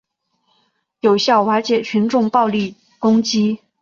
有效瓦解群众暴力攻击